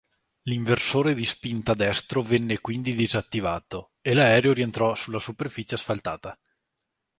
L'inversore di spinta destro venne quindi disattivato e l'aereo rientrò sulla superficie asfaltata.